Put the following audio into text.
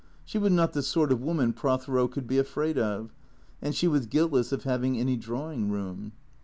She was not the sort of woman Prothero could be afraid of, and she was guiltless of having any drawing room.